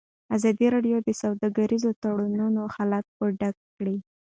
ازادي راډیو د سوداګریز تړونونه حالت په ډاګه کړی.